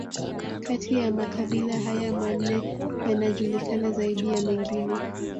Kati ya makabila haya manne yanajulikana zaidi ya mengine